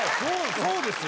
そうですよ。